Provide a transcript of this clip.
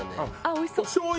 あっおいしそう！